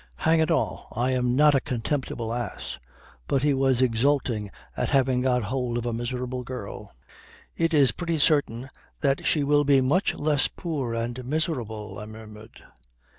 Hang it all, I am not a contemptible ass. But he was exulting at having got hold of a miserable girl." "It is pretty certain that she will be much less poor and miserable," I murmured.